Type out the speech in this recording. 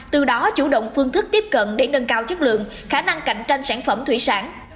từ đó chủ động phương thức tiếp cận để nâng cao chất lượng khả năng cạnh tranh sản phẩm thủy sản